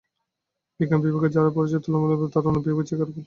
বিজ্ঞান বিভাগে যারা পড়ছে, তুলনামূলকভাবে তারা অন্য বিভাগের চেয়ে খারাপ ফলাফল করছে।